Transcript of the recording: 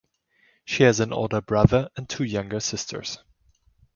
She has an older brother and two younger sisters.